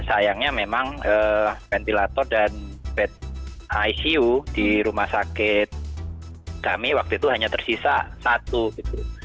sayangnya memang ventilator dan bed icu di rumah sakit kami waktu itu hanya tersisa satu gitu